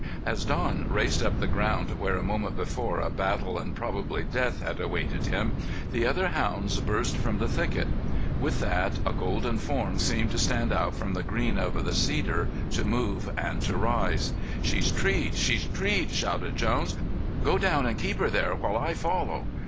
As Don raced up the ground where a moment before a battle and probably death had awaited him, the other hounds burst from the thicket. With that, a golden form seemed to stand out from the green of the cedar, to move and to rise. "She's treed! She's treed!" shouted Jones. "Go down and keep her there while I follow."